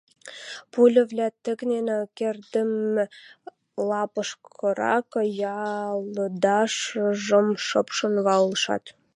Пульывлӓ тӹкнен керддӹмӹ лапышкырак ялдашыжым шыпшын валышат, Васли тӹдӹн шушыржым анжаш тӹнгӓльӹ.